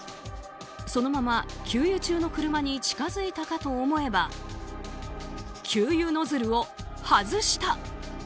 そのまま給油中の車に近づいたかと思えば給油ノズルを外した。